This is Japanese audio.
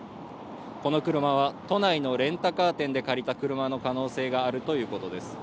この車は都内のレンタカー店で借りた車の可能性があるということです